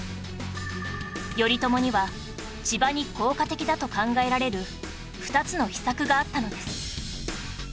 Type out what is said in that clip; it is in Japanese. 頼朝には千葉に効果的だと考えられる２つの秘策があったのです